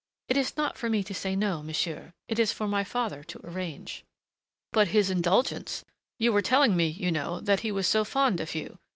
"It is not for me to say no, monsieur. It is for my father to arrange." "But his indulgence ? You were telling me, you know, that he was so fond of you.